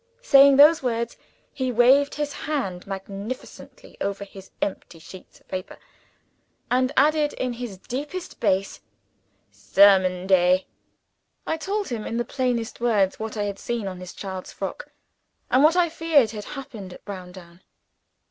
Saying those words, he waved his hand magnificently over his empty sheets of paper, and added in his deepest bass: "Sermon day." I told him in the plainest words what I had seen on his child's frock, and what I feared had happened at Browndown.